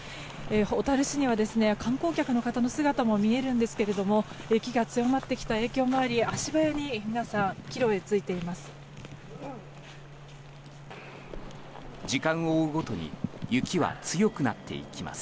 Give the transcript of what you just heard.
小樽市には観光客の方の姿も見えるんですが雪が強まってきた影響もあり足早に帰路に就いています。